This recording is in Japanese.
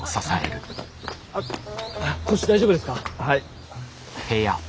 はい。